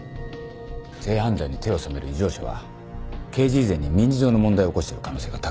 性犯罪に手を染める異常者は刑事以前に民事上の問題を起こしている可能性が高い。